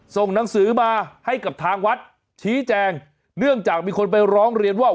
ส่งหนังสือมาให้กับทางวัดชี้แจงเนื่องจากมีคนไปร้องเรียนว่า